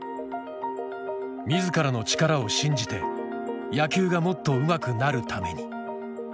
「自らの力を信じて野球がもっとうまくなるために」。